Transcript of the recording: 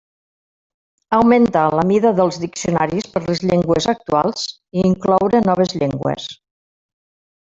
Augmentar la mida dels diccionaris per les llengües actuals, i incloure noves llengües.